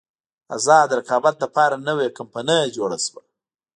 ازاد رقابت لپاره نوې کمپنۍ جوړه شوه.